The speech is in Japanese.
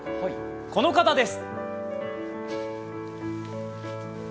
この方です。